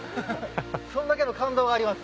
そんだけの感動があります。